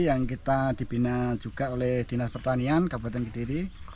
yang kita dibina juga oleh dinas pertanian kabupaten kediri